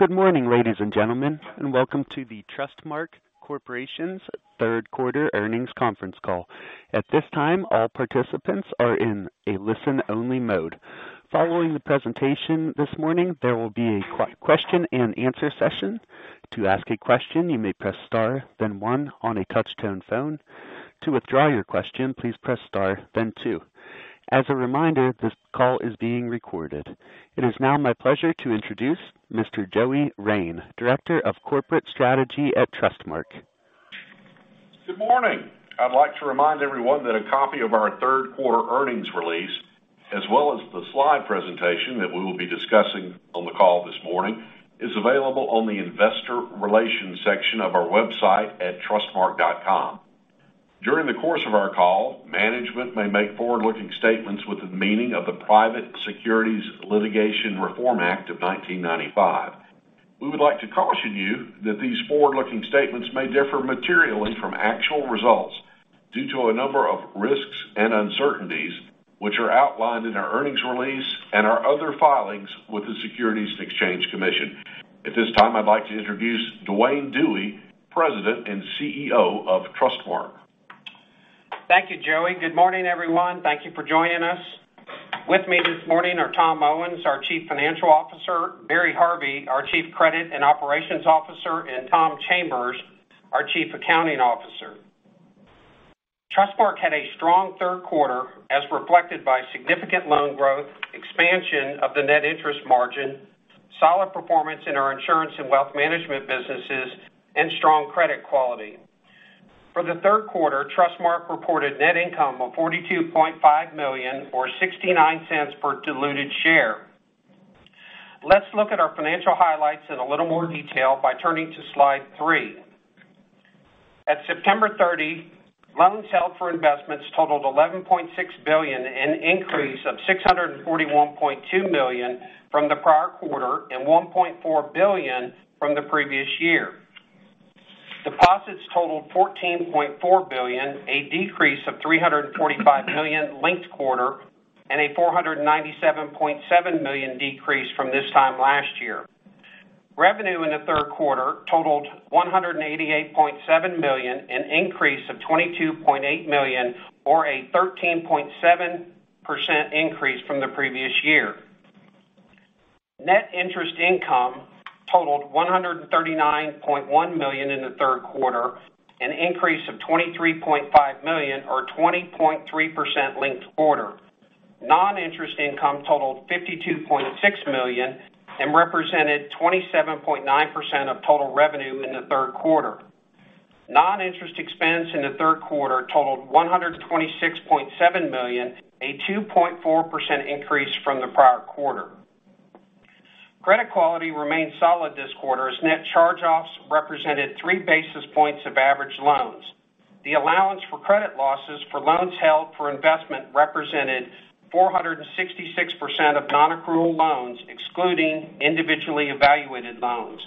Good morning, ladies and gentlemen, and welcome to the Trustmark Corporation's third quarter earnings conference call. At this time, all participants are in a listen-only mode. Following the presentation this morning, there will be a question and answer session. To ask a question, you may press star then one on a touchtone phone. To withdraw your question, please press star then two. As a reminder, this call is being recorded. It is now my pleasure to introduce Mr. Joey Rein, Director of Corporate Strategy at Trustmark. Good morning. I'd like to remind everyone that a copy of our third quarter earnings release, as well as the slide presentation that we will be discussing on the call this morning, is available on the investor relations section of our website at trustmark.com. During the course of our call, management may make forward-looking statements within the meaning of the Private Securities Litigation Reform Act of 1995. We would like to caution you that these forward-looking statements may differ materially from actual results due to a number of risks and uncertainties which are outlined in our earnings release and our other filings with the Securities and Exchange Commission. At this time, I'd like to introduce Duane Dewey, President and CEO of Trustmark. Thank you, Joey. Good morning, everyone. Thank you for joining us. With me this morning are Tom Owens, our Chief Financial Officer, Barry Harvey, our Chief Credit and Operations Officer, and Tom Chambers, our Chief Accounting Officer. Trustmark had a strong third quarter as reflected by significant loan growth, expansion of the net interest margin, solid performance in our Insurance and Wealth Management businesses, and strong credit quality. For the third quarter, Trustmark reported net income of $42.5 million or $0.69 per diluted share. Let's look at our financial highlights in a little more detail by turning to slide three. At September 30, loans held for investment totaled $11.6 billion, an increase of $641.2 million from the prior quarter and $1.4 billion from the previous year. Deposits totaled $14.4 billion, a decrease of $345 million linked quarter and a $497.7 million decrease from this time last year. Revenue in the third quarter totaled $188.7 million, an increase of $22.8 million or a 13.7% increase from the previous year. Net interest income totaled $139.1 million in the third quarter, an increase of $23.5 million or 20.3% linked quarter. Non-interest income totaled $52.6 million and represented 27.9% of total revenue in the third quarter. Non-interest expense in the third quarter totaled $126.7 million, a 2.4% increase from the prior quarter. Credit quality remained solid this quarter as net charge-offs represented 3 basis points of average loans. The allowance for credit losses for loans held for investment represented 466% of non-accrual loans excluding individually evaluated loans.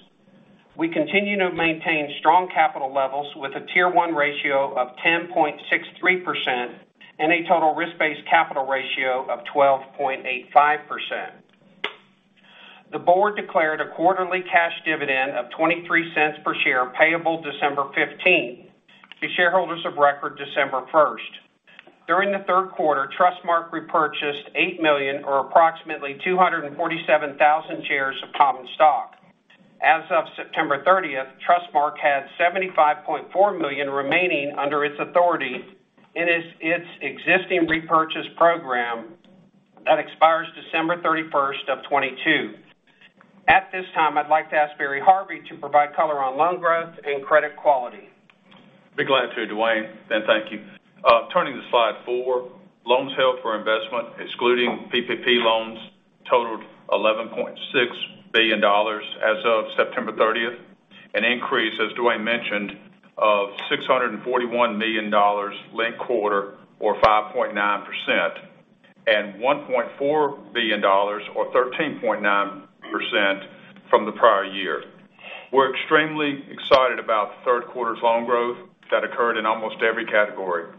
We continue to maintain strong capital levels with a Tier 1 ratio of 10.63% and a total risk-based capital ratio of 12.85%. The board declared a quarterly cash dividend of $0.23 per share payable December 15 to shareholders of record December 1st. During the third quarter, Trustmark repurchased $8 million or approximately 247,000 shares of common stock. As of September 30th, Trustmark had $75.4 million remaining under its authority in its existing repurchase program that expires December 31st, 2022. At this time, I'd like to ask Barry Harvey to provide color on loan growth and credit quality. Be glad to, Duane, and thank you. Turning to slide four. Loans held for investment, excluding PPP loans, totaled $11.6 billion as of September 30th, an increase, as Duane mentioned, of $641 million linked quarter or 5.9%, and $1.4 billion or 13.9% from the prior year. We're extremely excited about the third quarter's loan growth that occurred in almost every category.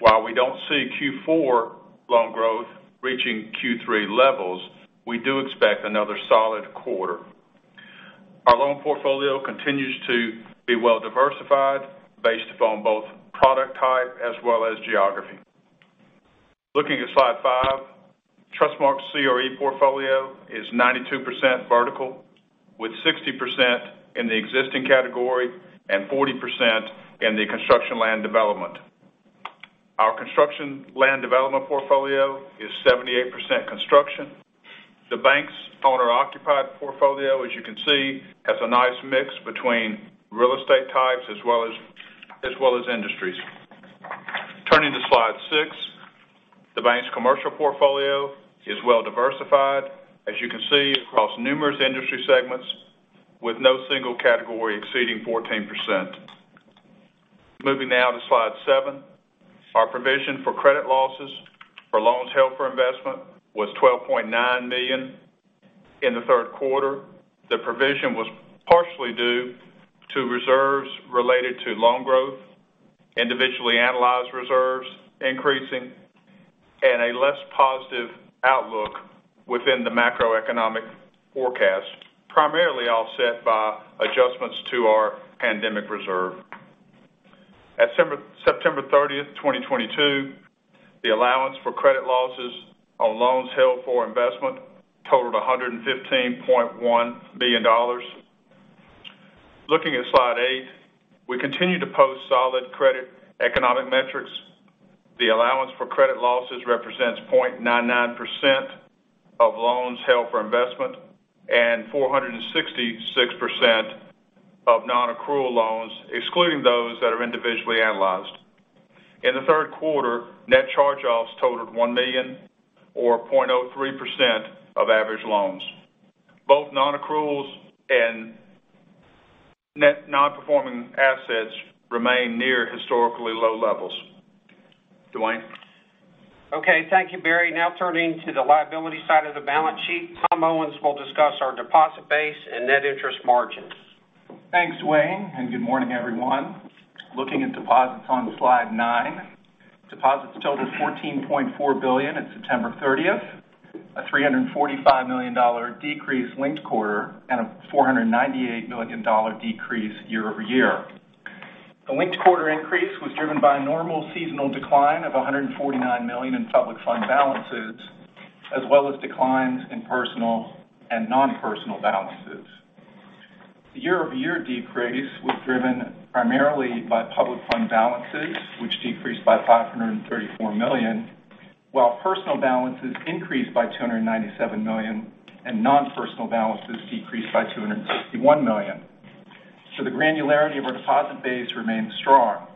While we don't see Q4 loan growth reaching Q3 levels, we do expect another solid quarter. Our loan portfolio continues to be well-diversified based upon both product type as well as geography. Looking at slide five, Trustmark's CRE portfolio is 92% vertical, with 60% in the existing category and 40% in the Construction, Land Development. Our Construction, Land Development portfolio is 78% construction. The bank's owner-occupied portfolio, as you can see, has a nice mix between real estate types as well as industries. Turning to slide six, the bank's commercial portfolio is well-diversified, as you can see, across numerous industry segments with no single category exceeding 14%. Moving now to slide seven. Our provision for credit losses for loans held for investment was $12.9 million in the third quarter. The provision was partially due to reserves related to loan growth, individually analyzed reserves increasing Positive outlook within the macroeconomic forecast, primarily offset by adjustments to our pandemic reserve. At September 30th, 2022, the allowance for credit losses on loans held for investment totaled $115.1 billion. Looking at slide eight, we continue to post solid credit and economic metrics. The allowance for credit losses represents 0.99% of loans held for investment and 466% of non-accrual loans, excluding those that are individually analyzed. In the third quarter, net charge-offs totaled $1 million or 0.03% of average loans. Both non-accruals and net non-performing assets remain near historically low levels. Duane. Okay, thank you, Barry. Now turning to the liability side of the balance sheet, Tom Owens will discuss our deposit base and net interest margins. Thanks, Duane, and good morning, everyone. Looking at deposits on slide nine. Deposits totaled $14.4 billion at September 30th, a $345 million decrease linked-quarter and a $498 million decrease year-over-year. The linked-quarter increase was driven by a normal seasonal decline of $149 million in public fund balances, as well as declines in personal and non-personal balances. The year-over-year decrease was driven primarily by public fund balances, which decreased by $534 million, while personal balances increased by $297 million and non-personal balances decreased by $261 million. The granularity of our deposit base remains strong.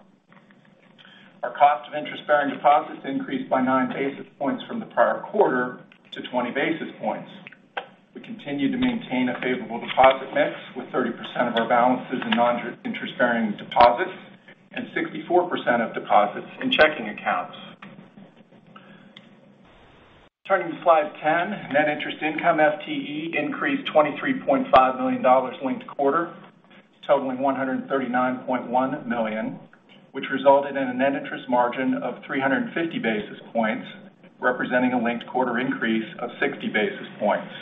Our cost of interest-bearing deposits increased by 9 basis points from the prior quarter to 20 basis points. We continue to maintain a favorable deposit mix with 30% of our balances in non-interest bearing deposits and 64% of deposits in checking accounts. Turning to slide 10, Net Interest Income FTE increased $23.5 million linked quarter, totaling $139.1 million, which resulted in a net interest margin of 350 basis points, representing a linked quarter increase of 60 basis points.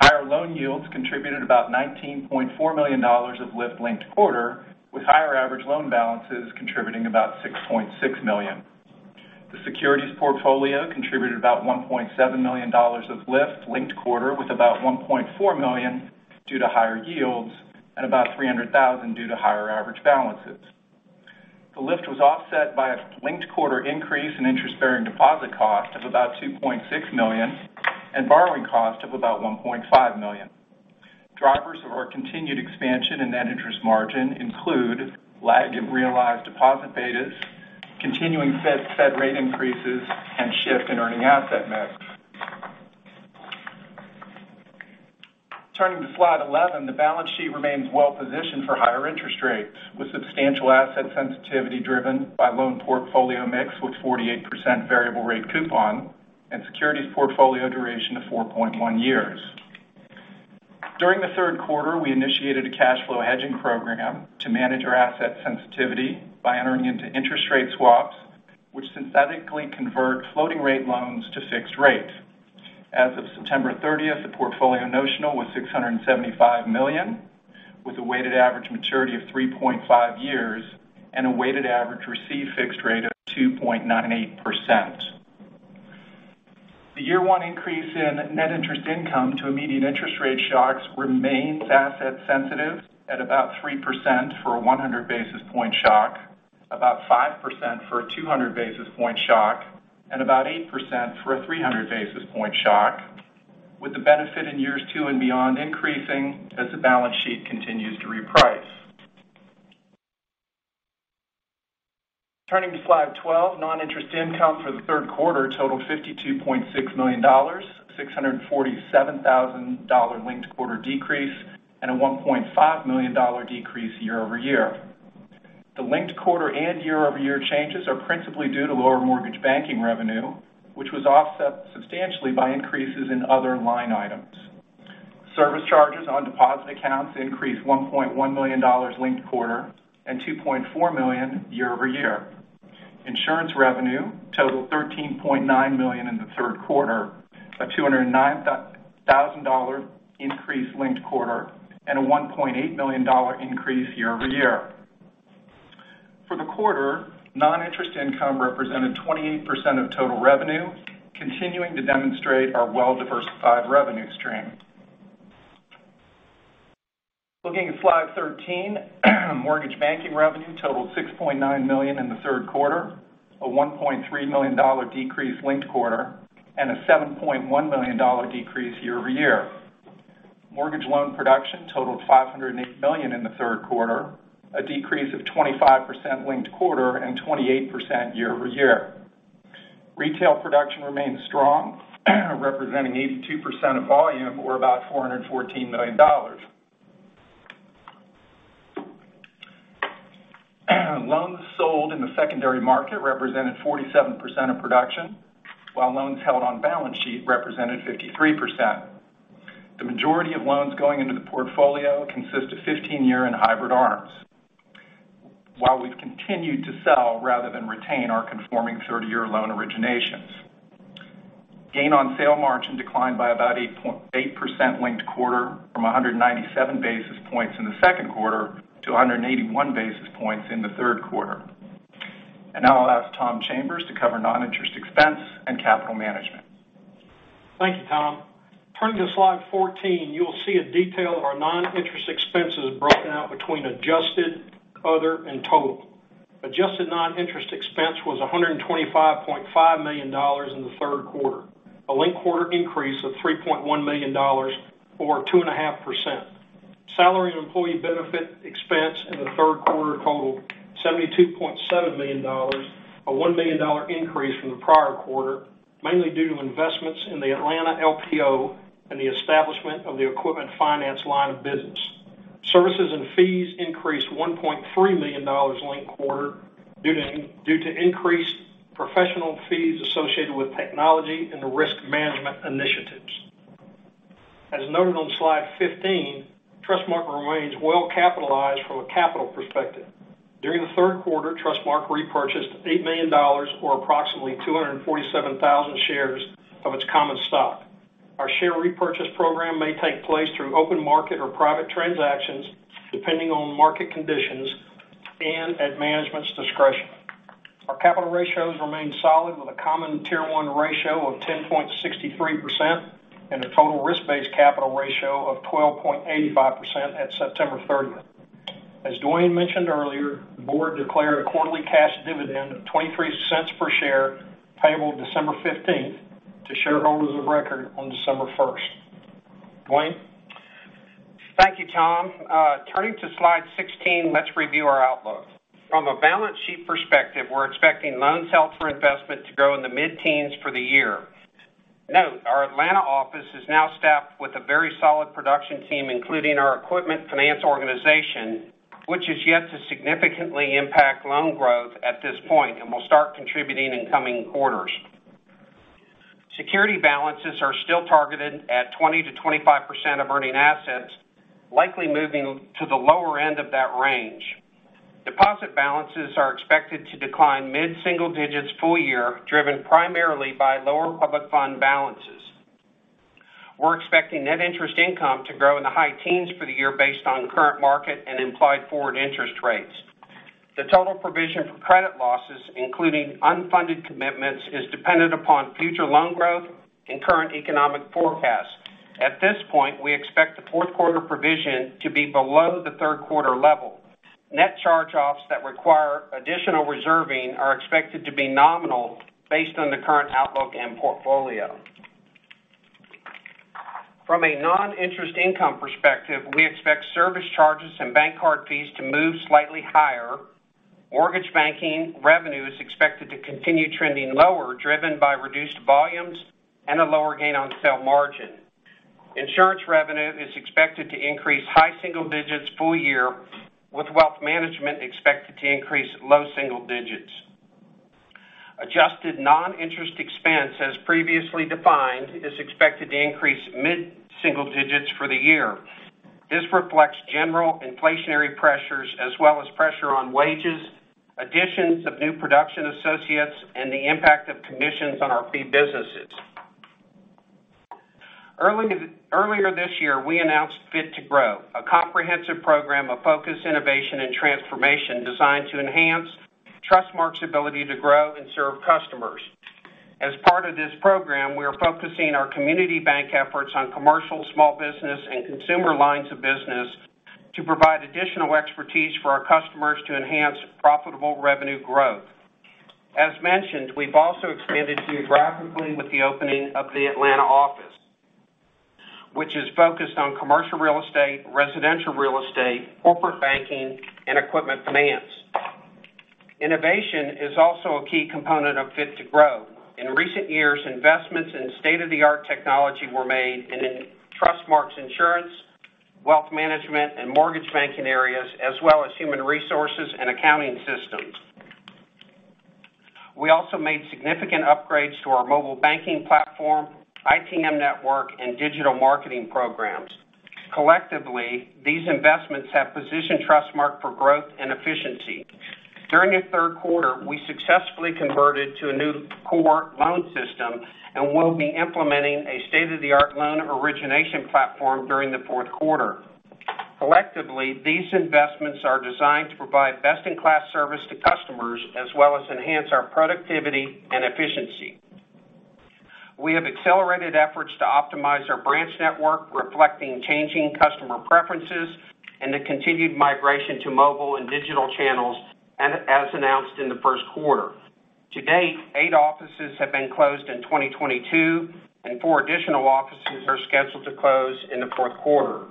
Higher loan yields contributed about $19.4 million of lift linked quarter, with higher average loan balances contributing about $6.6 million. The securities portfolio contributed about $1.7 million of lift linked quarter, with about $1.4 million due to higher yields and about $300,000 due to higher average balances. The lift was offset by a linked quarter increase in interest bearing deposit cost of about $2.6 million and borrowing cost of about $1.5 million. Drivers of our continued expansion in net interest margin include lag in realized deposit betas, continuing Fed rate increases, and shift in earning asset mix. Turning to slide 11, the balance sheet remains well positioned for higher interest rates, with substantial asset sensitivity driven by loan portfolio mix with 48% variable rate coupon and securities portfolio duration of 4.1 years. During the third quarter, we initiated a cash flow hedging program to manage our asset sensitivity by entering into interest rate swaps, which synthetically convert floating rate loans to fixed rate. As of September 30th, the portfolio notional was $675 million, with a weighted average maturity of 3.5 years and a weighted average received fixed rate of 2.98%. The year one increase in net interest income to immediate interest rate shocks remains asset sensitive at about 3% for a 100 basis point shock, about 5% for a 200 basis point shock, and about 8% for a 300 basis point shock, with the benefit in years two and beyond increasing as the balance sheet continues to reprice. Turning to slide 12, non-interest income for the third quarter totaled $52.6 million, $647,000 linked quarter decrease, and a $1.5 million decrease year-over-year. The linked-quarter and year-over-year changes are principally due to lower mortgage banking revenue, which was offset substantially by increases in other line items. Service charges on deposit accounts increased $1.1 million linked-quarter and $2.4 million year-over-year. Insurance revenue totaled $13.9 million in the third quarter, a $209,000 increase linked-quarter, and a $1.8 million increase year-over-year. For the quarter, non-interest income represented 28% of total revenue, continuing to demonstrate our well-diversified revenue stream. Looking at slide 13, mortgage banking revenue totaled $6.9 million in the third quarter, a $1.3 million decrease linked-quarter, and a $7.1 million decrease year-over-year. Mortgage loan production totaled $508 million in the third quarter, a decrease of 25% linked-quarter and 28% year-over-year. Retail production remains strong, representing 82% of volume or about $414 million. Loans sold in the secondary market represented 47% of production, while loans held on balance sheet represented 53%. The majority of loans going into the portfolio consist of 15-year and hybrid ARMs. While we've continued to sell rather than retain our conforming 30-year loan originations. Gain on sale margin declined by about 8.8% linked quarter from 197 basis points in the second quarter to 181 basis points in the third quarter. Now I'll ask Tom Chambers to cover non-interest expense and capital management. Thank you, Tom. Turning to slide 14, you'll see a detail of our non-interest expenses broken out between adjusted, other, and total. Adjusted non-interest expense was $125.5 million in the third quarter, a linked-quarter increase of $3.1 million or 2.5%. Salaries and employee benefits expense in the third quarter totaled $72.7 million, a $1 million increase from the prior quarter, mainly due to investments in the Atlanta LPO and the establishment of the equipment finance line of business. Services and fees increased $1.3 million linked-quarter due to increased professional fees associated with technology and the risk management initiatives. As noted on slide 15, Trustmark remains well capitalized from a capital perspective. During the third quarter, Trustmark repurchased $8 million, or approximately 247,000 shares of its common stock. Our share repurchase program may take place through open market or private transactions, depending on market conditions and at management's discretion. Our capital ratios remain solid with a common Tier 1 ratio of 10.63% and a total risk-based capital ratio of 12.85% at September 30. As Duane mentioned earlier, the board declared a quarterly cash dividend of $0.23 per share payable December 15 to shareholders of record on December 1st. Duane. Thank you, Tom. Turning to slide 16, let's review our outlook. From a balance sheet perspective, we're expecting loans held for investment to grow in the mid-teens for the year. Note, our Atlanta office is now staffed with a very solid production team, including our equipment finance organization, which is yet to significantly impact loan growth at this point and will start contributing in coming quarters. Security balances are still targeted at 20%-25% of earning assets, likely moving to the lower end of that range. Deposit balances are expected to decline mid-single digits full year, driven primarily by lower public fund balances. We're expecting net interest income to grow in the high teens for the year based on current market and implied forward interest rates. The total provision for credit losses, including unfunded commitments, is dependent upon future loan growth and current economic forecasts. At this point, we expect the fourth quarter provision to be below the third quarter level. Net charge-offs that require additional reserving are expected to be nominal based on the current outlook and portfolio. From a non-interest income perspective, we expect service charges and bank card fees to move slightly higher. Mortgage banking revenue is expected to continue trending lower, driven by reduced volumes and a lower gain on sale margin. Insurance revenue is expected to increase high single digits full year, with wealth management expected to increase low single digits. Adjusted non-interest expense, as previously defined, is expected to increase mid-single digits for the year. This reflects general inflationary pressures as well as pressure on wages, additions of new production associates, and the impact of commissions on our fee businesses. Earlier this year, we announced Fit to Grow, a comprehensive program of focus, innovation, and transformation designed to enhance Trustmark's ability to grow and serve customers. As part of this program, we are focusing our community bank efforts on commercial, small business, and consumer lines of business to provide additional expertise for our customers to enhance profitable revenue growth. As mentioned, we've also expanded geographically with the opening of the Atlanta office, which is focused on commercial real estate, residential real estate, corporate banking, and equipment finance. Innovation is also a key component of Fit to Grow. In recent years, investments in state-of-the-art technology were made in Trustmark's insurance, wealth management, and mortgage banking areas, as well as human resources and accounting systems. We also made significant upgrades to our mobile banking platform, ITM network, and digital marketing programs. Collectively, these investments have positioned Trustmark for growth and efficiency. During the third quarter, we successfully converted to a new core loan system and will be implementing a state-of-the-art loan origination platform during the fourth quarter. Collectively, these investments are designed to provide best-in-class service to customers as well as enhance our productivity and efficiency. We have accelerated efforts to optimize our branch network, reflecting changing customer preferences and the continued migration to mobile and digital channels as announced in the first quarter. To date, eight offices have been closed in 2022, and four additional offices are scheduled to close in the fourth quarter.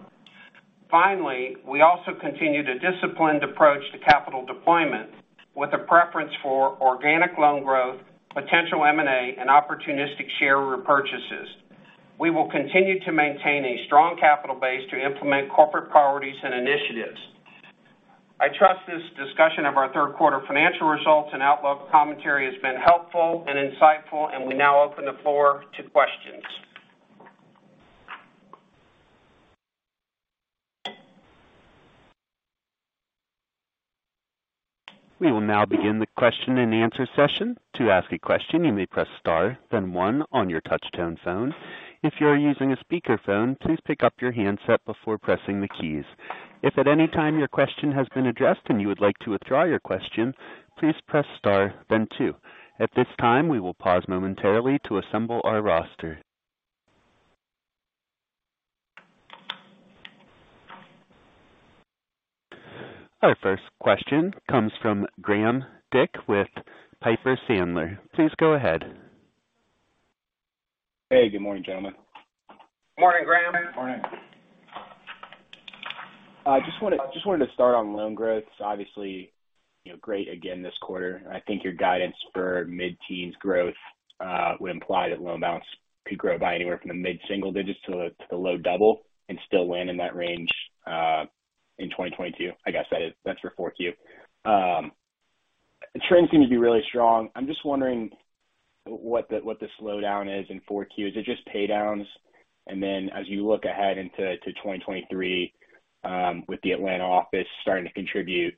Finally, we also continue the disciplined approach to capital deployment with a preference for organic loan growth, potential M&A, and opportunistic share repurchases. We will continue to maintain a strong capital base to implement corporate priorities and initiatives. I trust this discussion of our third quarter financial results and outlook commentary has been helpful and insightful, and we now open the floor to questions. We will now begin the question and answer session. To ask a question, you may press star, then one on your touchtone phone. If you are using a speaker phone, please pick up your handset before pressing the keys. If at any time your question has been addressed and you would like to withdraw your question, please press star then two. At this time, we will pause momentarily to assemble our roster. Our first question comes from Graham Dick with Piper Sandler. Please go ahead. Hey, good morning, gentlemen. Morning, Graham. Morning. I just wanted to start on loan growth. Obviously, you know, great again this quarter. I think your guidance for mid-teens growth would imply that loan balance could grow by anywhere from the mid-single digits to the low double and still land in that range in 2022. I guess that's for 4Q. Trends seem to be really strong. I'm just wondering what the slowdown is in 4Q. Is it just paydowns? As you look ahead into 2023, with the Atlanta office starting to contribute,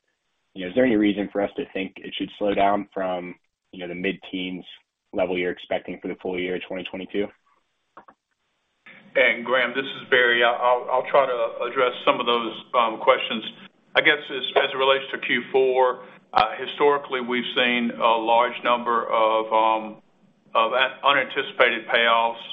you know, is there any reason for us to think it should slow down from, you know, the mid-teens level you're expecting for the full year 2022? Hey, Graham, this is Barry. I'll try to address some of those questions. I guess as it relates to Q4, historically, we've seen a large number of unanticipated payoffs,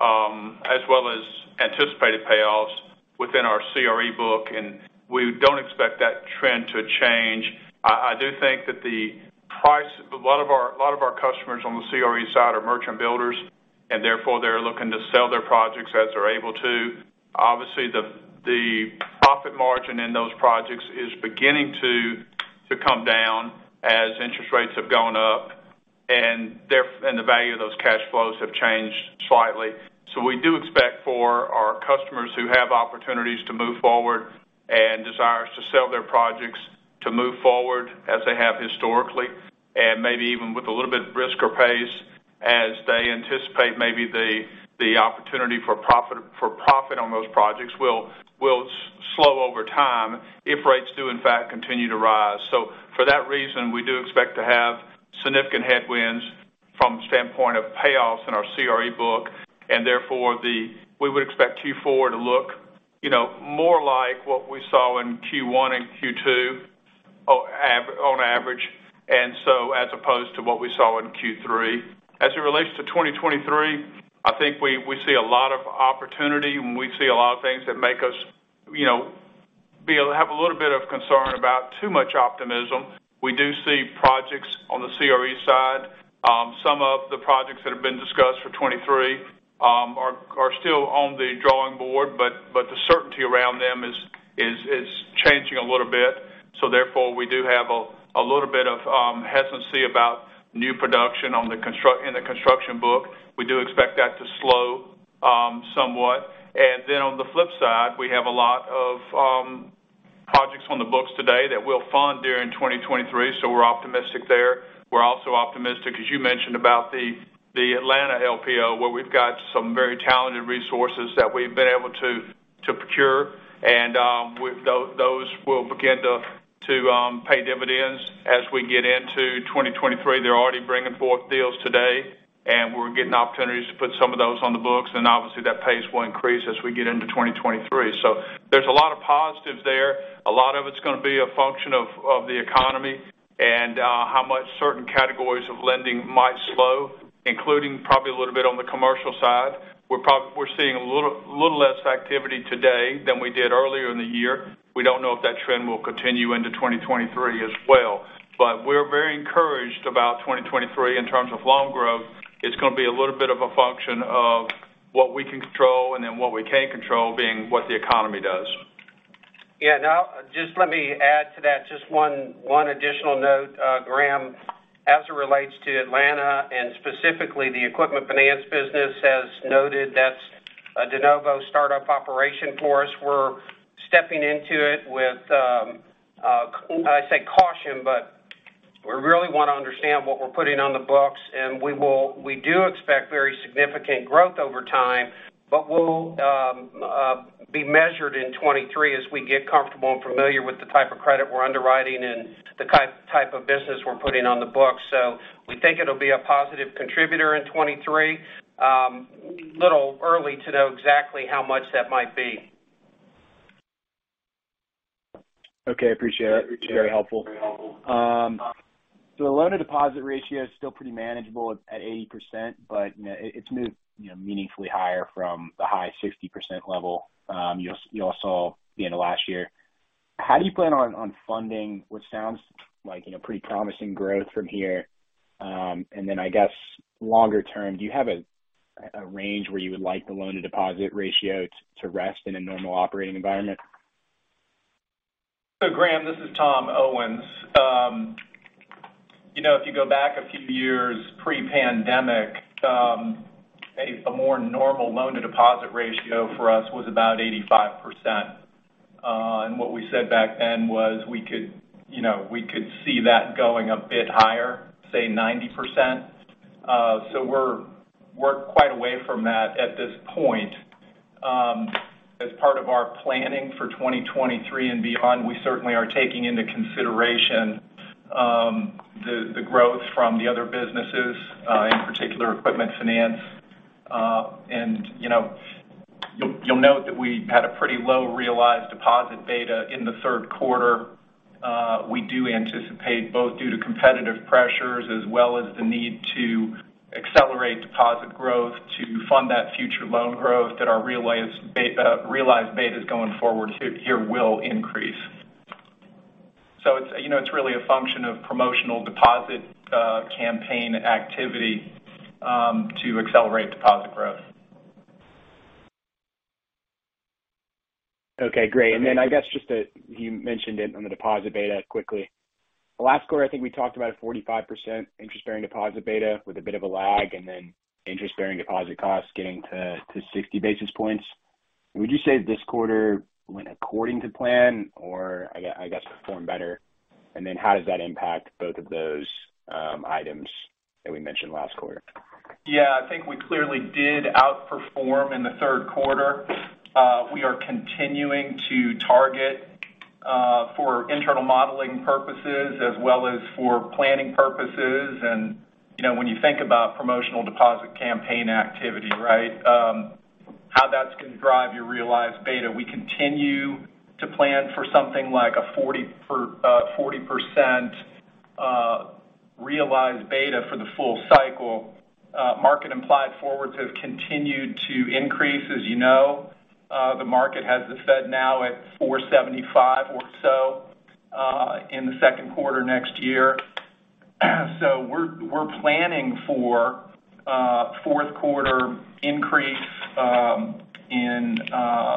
as well as anticipated payoffs within our CRE book, and we don't expect that trend to change. I do think that a lot of our customers on the CRE side are merchant builders, and therefore, they're looking to sell their projects as they're able to. Obviously, the profit margin in those projects is beginning to come down as interest rates have gone up, and the value of those cash flows have changed slightly. We do expect for our customers who have opportunities to move forward and desires to sell their projects to move forward as they have historically, and maybe even with a little bit brisker pace as they anticipate maybe the opportunity for profit on those projects will slow over time if rates do in fact continue to rise. For that reason, we do expect to have significant headwinds from standpoint of payoffs in our CRE book, and therefore, we would expect Q4 to look, you know, more like what we saw in Q1 and Q2 on average, and so as opposed to what we saw in Q3. As it relates to 2023, I think we see a lot of opportunity, and we see a lot of things that make us, you know, have a little bit of concern about too much optimism. We do see projects on the CRE side. Some of the projects that have been discussed for 2023 are still on the drawing board, but the certainty around them is changing a little bit. Therefore, we do have a little bit of hesitancy about new production in the construction book. We do expect that to slow somewhat. Then on the flip side, we have a lot of projects on the books today that we'll fund during 2023. We're optimistic there. We're also optimistic, as you mentioned, about the Atlanta LPO, where we've got some very talented resources that we've been able to procure. Those will begin to pay dividends as we get into 2023. They're already bringing forth deals today, and we're getting opportunities to put some of those on the books. Obviously, that pace will increase as we get into 2023. There's a lot of positives there. A lot of it's going to be a function of the economy and how much certain categories of lending might slow, including probably a little bit on the commercial side. We're seeing a little less activity today than we did earlier in the year. We don't know if that trend will continue into 2023 as well. We're very encouraged about 2023 in terms of loan growth. It's going to be a little bit of a function of what we can control and then what we can't control being what the economy does. Let me add to that one additional note, Graham. As it relates to Atlanta and specifically the equipment finance business, as noted, that's a de novo startup operation for us. We're stepping into it with I say caution, but we really want to understand what we're putting on the books. We do expect very significant growth over time, but we'll be measured in 2023 as we get comfortable and familiar with the type of credit we're underwriting and the type of business we're putting on the books. We think it'll be a positive contributor in 2023. Little early to know exactly how much that might be. Okay, appreciate it. Very helpful. So the loan to deposit ratio is still pretty manageable at 80%, but, you know, it's moved, you know, meaningfully higher from the high 60% level, you all saw the end of last year. How do you plan on funding what sounds like in a pretty promising growth from here? And then I guess longer term, do you have a range where you would like the loan to deposit ratio to rest in a normal operating environment? Graham, this is Tom Owens. You know, if you go back a few years pre-pandemic, a more normal loan to deposit ratio for us was about 85%. What we said back then was we could, you know, we could see that going a bit higher, say 90%. We're quite a way from that at this point. As part of our planning for 2023 and beyond, we certainly are taking into consideration the growth from the other businesses, in particular, equipment finance. You know, you'll note that we had a pretty low realized deposit beta in the third quarter. We do anticipate both due to competitive pressures as well as the need to accelerate deposit growth to fund that future loan growth that our realized betas going forward here will increase. It's, you know, it's really a function of promotional deposit campaign activity to accelerate deposit growth. Okay, great. I guess just that you mentioned it on the deposit beta quickly. The last quarter, I think we talked about a 45% interest-bearing deposit beta with a bit of a lag and then interest-bearing deposit costs getting to 60 basis points. Would you say this quarter went according to plan or I guess performed better? How does that impact both of those items that we mentioned last quarter? Yeah, I think we clearly did outperform in the third quarter. We are continuing to target for internal modeling purposes as well as for planning purposes. You know, when you think about promotional deposit campaign activity, right, how that's going to drive your realized beta. We continue to plan for something like a 40% realized beta for the full cycle. Market implied forwards have continued to increase. As you know, the market has the Fed now at 4.75 or so in the second quarter next year. We're planning for a fourth quarter increase in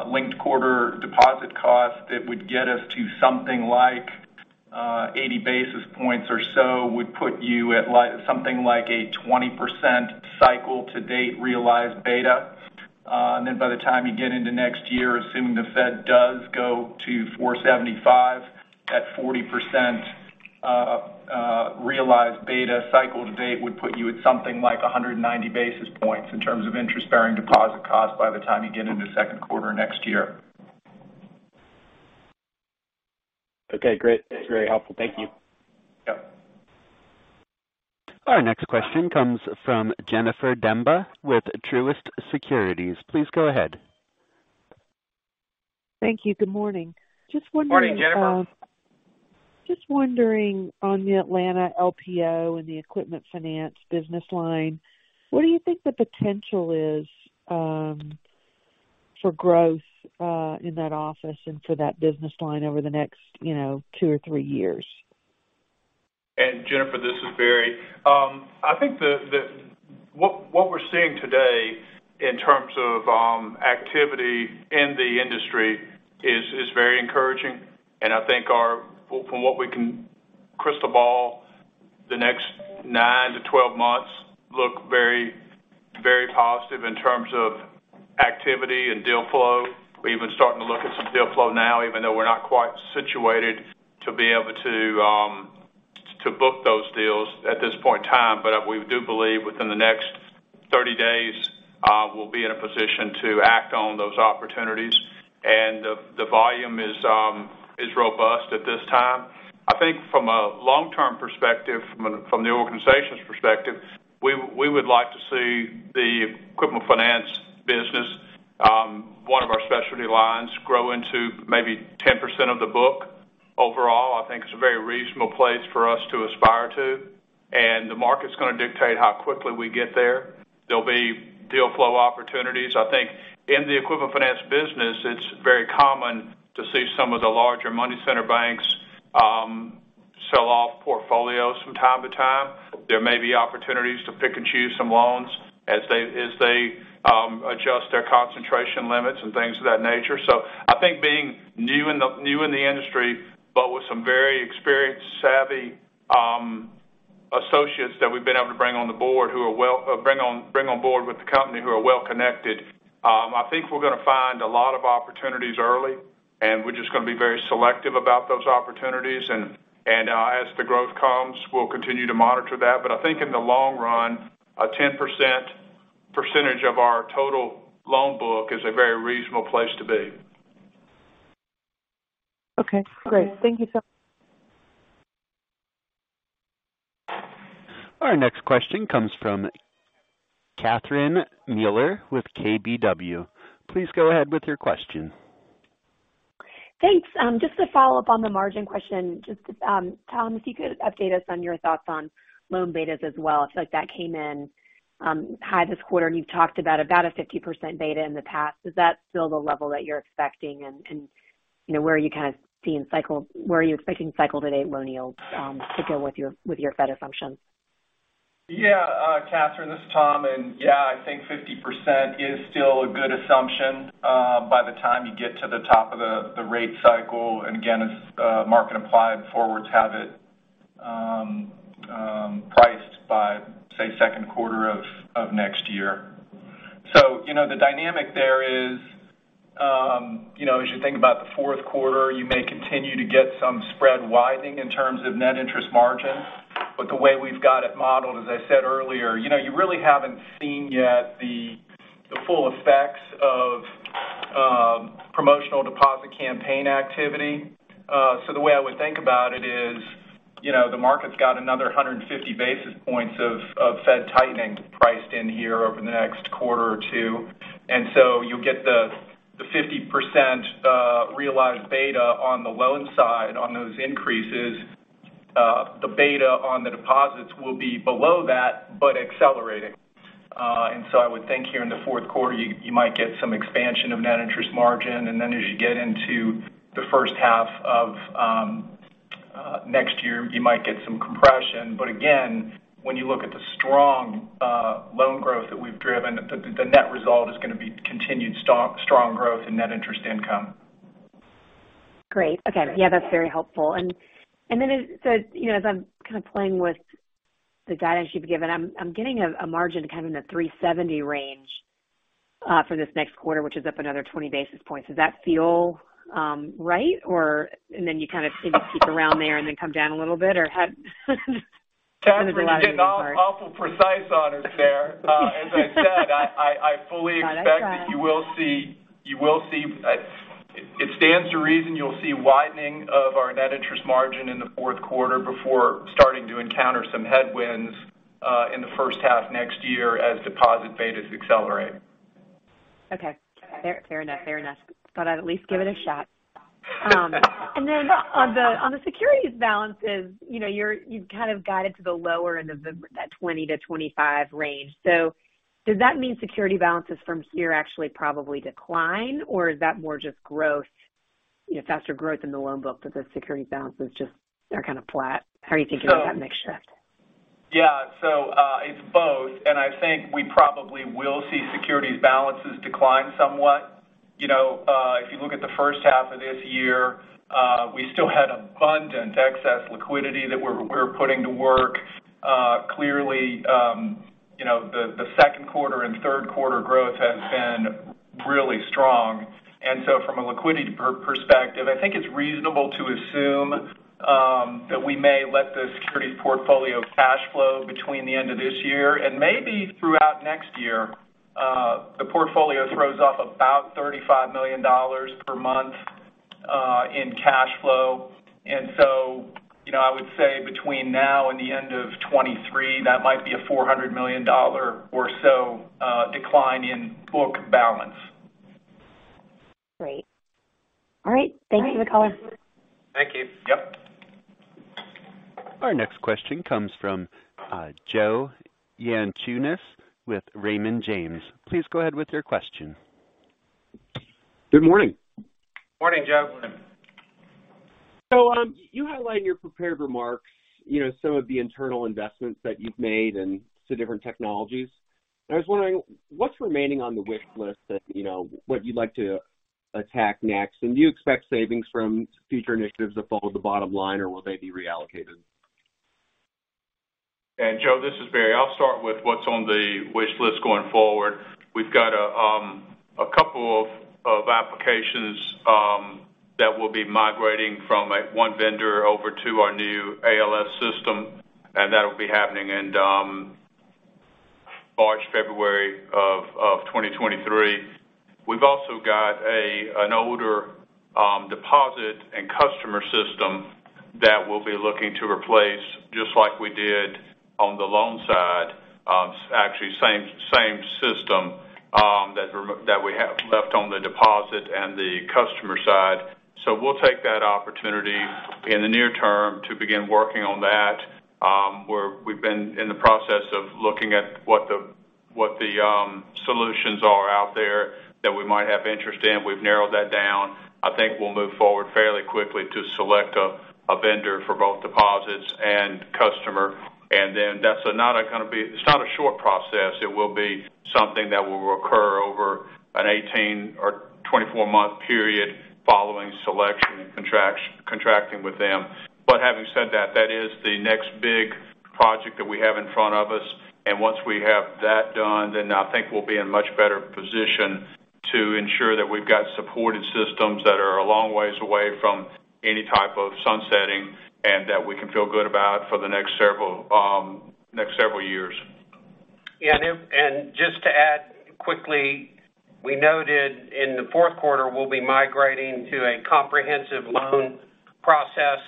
linked-quarter deposit cost that would get us to something like 80 basis points or so would put you at something like a 20% cycle-to-date realized beta. By the time you get into next year, assuming the Fed does go to 4.75 at 40%, realized beta cycle to date would put you at something like 190 basis points in terms of interest-bearing deposit cost by the time you get into second quarter next year. Okay, great. That's very helpful. Thank you. Yep. Our next question comes from Jennifer Demba with Truist Securities. Please go ahead. Thank you. Good morning. Just wondering. Morning, Jennifer. Just wondering on the Atlanta LPO and the equipment finance business line, what do you think the potential is, for growth, in that office and for that business line over the next, you know, two or three years? Jennifer, this is Barry. I think what we're seeing today in terms of activity in the industry is very encouraging. I think from what we can crystal ball the next nine-12 months look very, very positive in terms of activity and deal flow. We're even starting to look at some deal flow now, even though we're not quite situated to be able to to book those deals at this point in time. We do believe within the next 30 days we'll be in a position to act on those opportunities. The volume is robust at this time. I think from a long-term perspective, from the organization's perspective, we would like to see the equipment finance business, one of our specialty lines grow into maybe 10% of the book overall. I think it's a very reasonable place for us to aspire to, and the market's going to dictate how quickly we get there. There'll be deal flow opportunities. I think in the equipment finance business, it's very common to see some of the larger money center banks, sell off portfolios from time to time. There may be opportunities to pick and choose some loans as they, adjust their concentration limits and things of that nature. I think being new in the industry, but with some very experienced savvy associates that we've been able to bring on board with the company who are well connected. I think we're going to find a lot of opportunities early, and we're just going to be very selective about those opportunities. As the growth comes, we'll continue to monitor that. I think in the long run, a 10% percentage of our total loan book is a very reasonable place to be. Okay, great. Thank you so much. Our next question comes from Catherine Mealor with KBW. Please go ahead with your question. Thanks. Just to follow up on the margin question, just, Tom, if you could update us on your thoughts on loan betas as well. I feel like that came in high this quarter, and you've talked about a 50% beta in the past. Is that still the level that you're expecting? And you know, where are you kind of seeing cycle? Where are you expecting cycle to date loan yields to go with your Fed assumptions? Yeah. Catherine, this is Tom. Yeah, I think 50% is still a good assumption by the time you get to the top of the rate cycle. Again, as market implied forwards have it, by, say, second quarter of next year. You know, the dynamic there is, you know, as you think about the fourth quarter, you may continue to get some spread widening in terms of net interest margin, but the way we've got it modeled, as I said earlier, you know, you really haven't seen yet the full effects of promotional deposit campaign activity. The way I would think about it is, you know, the market's got another 150 basis points of Fed tightening priced in here over the next quarter or two. You'll get the 50% realized beta on the loan side on those increases. The beta on the deposits will be below that, but accelerating. I would think here in the fourth quarter, you might get some expansion of net interest margin, and then as you get into the first half of next year, you might get some compression. Again, when you look at the strong loan growth that we've driven, the net result is gonna be continued strong growth in net interest income. Great. Okay. Yeah, that's very helpful. Then, as I'm kind of playing with the guidance you've given, I'm getting a margin kind of in the 3.70 range for this next quarter, which is up another 20 basis points. Does that feel right? Or you kind of see it keep around there and then come down a little bit or have Getting awful precise on us there. As I said, I fully expect that you will see, it stands to reason you'll see widening of our net interest margin in the fourth quarter before starting to encounter some headwinds in the first half next year as deposit betas accelerate. Okay. Fair enough. Thought I'd at least give it a shot. And then on the securities balances, you know, you've kind of guided to the lower end of that 20%-25% range. Does that mean security balances from here actually probably decline, or is that more just growth, you know, faster growth in the loan book, but the security balances just are kind of flat? How are you thinking about that mix shift? Yeah. It's both, and I think we probably will see securities balances decline somewhat. You know, if you look at the first half of this year, we still had abundant excess liquidity that we're putting to work. Clearly, you know, the second quarter and third quarter growth has been really strong. From a liquidity perspective, I think it's reasonable to assume that we may let the securities portfolio cash flow between the end of this year and maybe throughout next year. The portfolio throws off about $35 million per month in cash flow. You know, I would say between now and the end of 2023, that might be a $400 million or so decline in book balance. Great. All right. Thank you for the color. Thank you. Yep. Our next question comes from, Joe Yanchunis with Raymond James. Please go ahead with your question. Good morning. Morning, Joe. You highlight in your prepared remarks, you know, some of the internal investments that you've made and to different technologies. I was wondering what's remaining on the wish list that, you know, what you'd like to attack next, and do you expect savings from future initiatives that follow the bottom line or will they be reallocated? Joe, this is Barry. I'll start with what's on the wish list going forward. We've got a couple of applications that we'll be migrating from one vendor over to our new ALS system, and that'll be happening in February of 2023. We've also got an older deposit and customer system that we'll be looking to replace just like we did on the loan side, actually same system that we have left on the deposit and the customer side. We'll take that opportunity in the near term to begin working on that. We've been in the process of looking at what the solutions are out there that we might have interest in. We've narrowed that down. I think we'll move forward fairly quickly to select a vendor for both deposits and customer. It's not a short process. It will be something that will occur over an 18- or 24-month period following selection and contracting with them. Having said that is the next big project that we have in front of us. Once we have that done, then I think we'll be in much better position to ensure that we've got supported systems that are a long ways away from any type of sunsetting and that we can feel good about for the next several years. Yeah. Just to add quickly, we noted in the fourth quarter we'll be migrating to a comprehensive loan process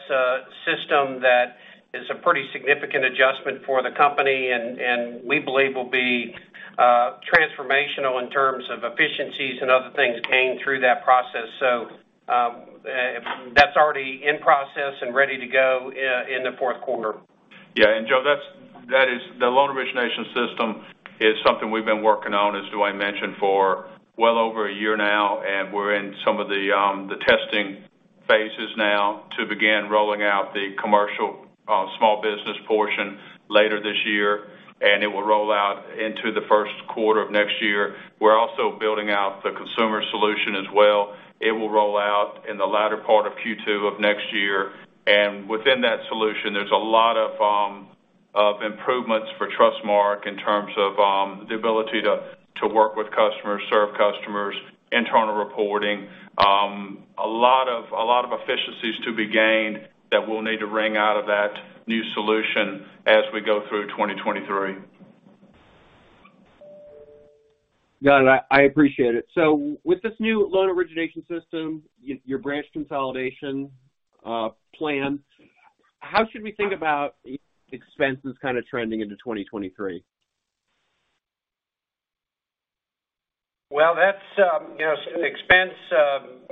system that is a pretty significant adjustment for the company, and we believe will be transformational in terms of efficiencies and other things gained through that process. That's already in process and ready to go in the fourth quarter. Yeah. Joe, that is the loan origination system is something we've been working on, as Duane mentioned, for well over a year now, and we're in some of the testing phases now to begin rolling out the commercial small business portion later this year. It will roll out into the first quarter of next year. We're also building out the consumer solution as well. It will roll out in the latter part of Q2 of next year. Within that solution, there's a lot of improvements for Trustmark in terms of the ability to work with customers, serve customers, internal reporting. A lot of efficiencies to be gained that we'll need to wring out of that new solution as we go through 2023. Got it. I appreciate it. With this new loan origination system, your branch consolidation plan, how should we think about expenses kind of trending into 2023? Well, that's, you know, expense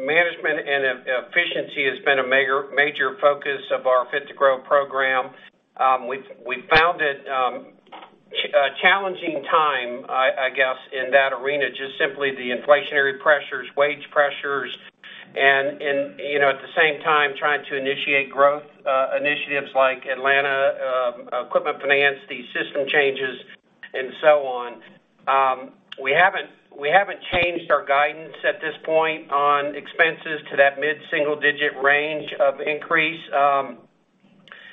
management and efficiency has been a major focus of our Fit to Grow program. We found it a challenging time, I guess, in that arena, just simply the inflationary pressures, wage pressures, and, you know, at the same time, trying to initiate growth initiatives like Atlanta Equipment Finance, these system changes and so on. We haven't changed our guidance at this point on expenses to that mid-single digit range of increase.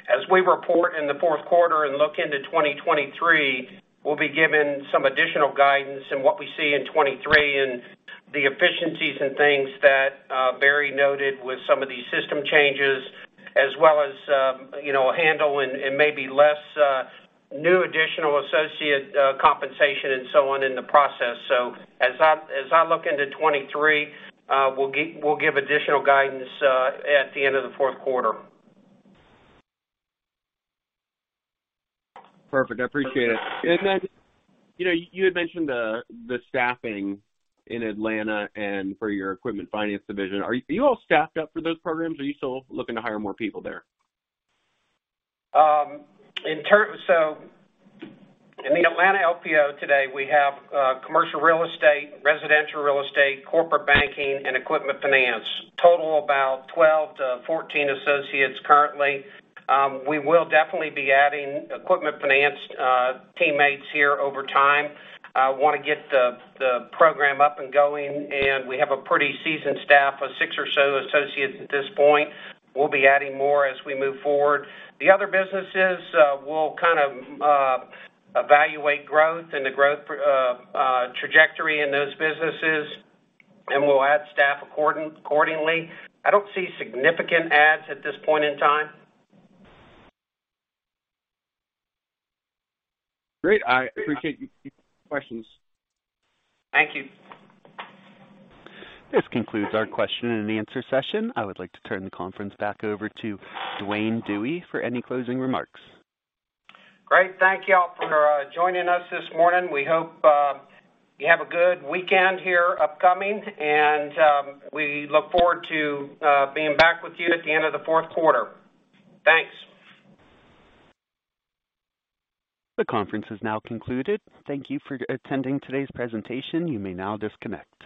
As we report in the fourth quarter and look into 2023, we'll be given some additional guidance in what we see in 2023 and the efficiencies and things that Barry noted with some of these system changes, as well as, you know, a handle and maybe less new additional associate compensation and so on in the process. As I look into 2023, we'll give additional guidance at the end of the fourth quarter. Perfect. I appreciate it. You know, you had mentioned the staffing in Atlanta and for your equipment finance division. Are you all staffed up for those programs? Are you still looking to hire more people there? In the Atlanta LPO today, we have commercial real estate, residential real estate, corporate banking, and equipment finance. Total about 12-14 associates currently. We will definitely be adding equipment finance teammates here over time. I wanna get the program up and going, and we have a pretty seasoned staff of six or so associates at this point. We'll be adding more as we move forward. The other businesses, we'll kind of evaluate growth and the trajectory in those businesses, and we'll add staff accordingly. I don't see significant adds at this point in time. Great. I appreciate you taking my questions. Thank you. This concludes our question and answer session. I would like to turn the conference back over to Duane Dewey for any closing remarks. Great. Thank y'all for joining us this morning. We hope you have a good weekend here upcoming, and we look forward to being back with you at the end of the fourth quarter. Thanks. The conference is now concluded. Thank you for attending today's presentation. You may now disconnect.